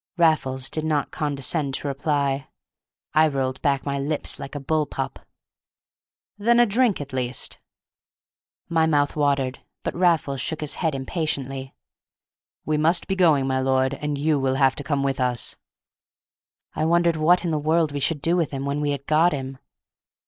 Raffles did not condescend to reply. I rolled back my lips like a bull pup. "Then a drink, at least!" My mouth watered, but Raffles shook his head impatiently. "We must be going, my lord, and you will have to come with us." I wondered what in the world we should do with him when we had got him.